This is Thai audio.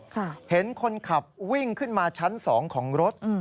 เห็นคนขับวิ่งขึ้นมาชั้นสองของรถ